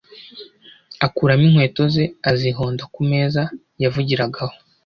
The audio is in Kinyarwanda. akuramo inkweto ze azihonda ku meza yavugiragaho.